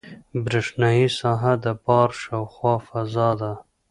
برېښنایي ساحه د بار د شاوخوا فضا ده.